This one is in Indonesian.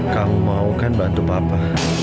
kamu mau kan bantu papa